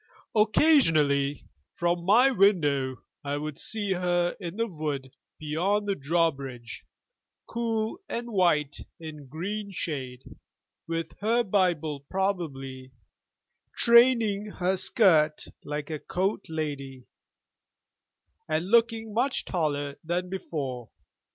Occasionally, from my window I would see her in the wood beyond the drawbridge, cool and white in green shade, with her Bible probably, training her skirt like a court lady, and looking much taller than before.